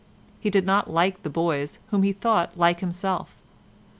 He did not like the boys whom he thought like himself.